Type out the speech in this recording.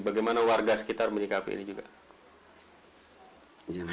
bagaimana warga sekitar menyikapi ini juga